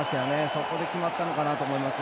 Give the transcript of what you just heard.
そこで決まったのかなと思います。